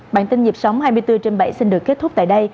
bản tin dịp sóng hai mươi bốn trên bảy xin được kết thúc tại đây